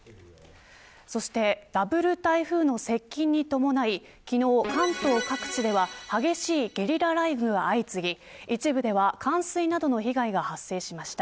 そしてダブル台風の接近に伴い昨日、関東各地では激しいゲリラ雷雨が相次ぎ一部では冠水などの被害が発生しました。